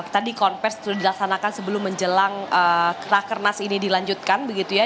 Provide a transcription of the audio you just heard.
tadi konversi sudah dilaksanakan sebelum menjelang rakernas ini dilanjutkan begitu ya